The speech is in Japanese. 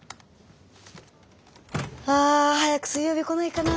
あ早く水曜日来ないかな。